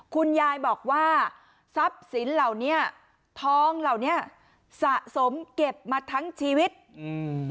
คุณยายบอกว่าทรัพย์สินเหล่านี้ทองเหล่านี้สะสมเก็บมาทั้งชีวิตอืม